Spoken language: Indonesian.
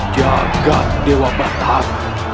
jaga dewa batar